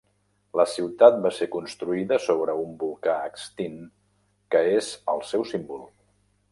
La ciutat va ser construïda sobre un volcà extint que és el seu símbol.